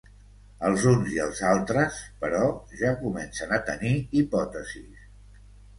Els uns i els altres, però, ja comencen a tenir hipòtesis.